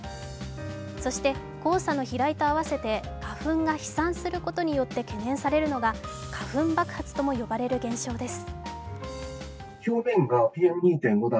そして、黄砂の飛来とあわせて花粉が飛散することによって懸念されるのが花粉爆発とも呼ばれる現象です。